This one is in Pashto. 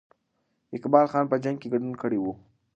اقبال خان په جنګ کې ګډون کړی وو.